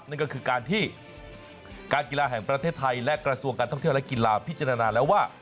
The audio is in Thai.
นั่นก็คือการที่การกีฬาแห่งประเทศไทยและกระทรวงการท่องเที่ยวและกีฬาพิจารณาแล้วว่า